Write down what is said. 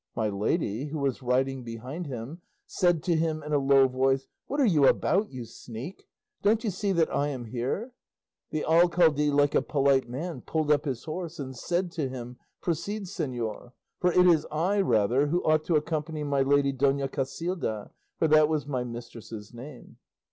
My lady, who was riding behind him, said to him in a low voice, 'What are you about, you sneak, don't you see that I am here?' The alcalde like a polite man pulled up his horse and said to him, 'Proceed, señor, for it is I, rather, who ought to accompany my lady Dona Casilda' for that was my mistress's name.